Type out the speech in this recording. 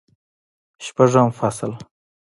شپږم فصل